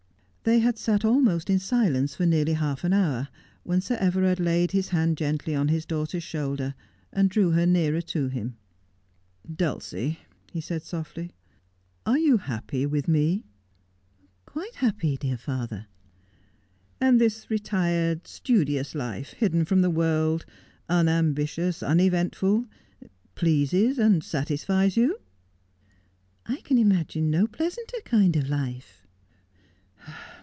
They had sat almost in silence for nearly half an hour, when Sir Everard laid his hand gently on his daughter's shoulder and drew her nearer to him. ' Dulcie,' he said softly, ' are you happy with me 1 '' Quite happy, dear father.' ' And this retired, studious life, hidden from the world, un ambitious, uneventful, pleases and satisfies you 1 '' I can imagine no pleasanter kind of life.'